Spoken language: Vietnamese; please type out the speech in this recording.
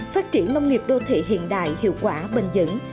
phát triển nông nghiệp đô thị hiện đại hiệu quả bình dẫn